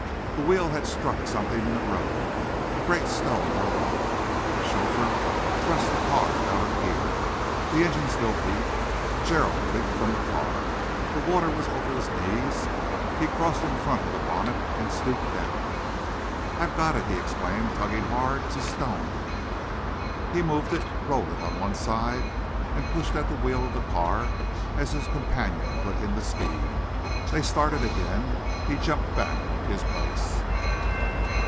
The wheel had struck something in the road a great stone or rock. The chauffeur thrust the car out of gear. The engine still beat. Gerald leaped from the car. The water was over his knees. He crossed in front of the bonnet and stooped down. "I've got it!" he exclaimed, tugging hard. "It's a stone." He moved it, rolled it on one side, and pushed at the wheel of the car as his companion put in the speed. They started again. He jumped back his place.